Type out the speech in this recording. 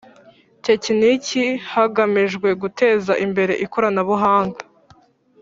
Tekiniki hagamijwe guteza imbere ikoranabuhanga